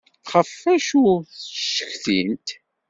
Ɣef wacu d-ttcetkint?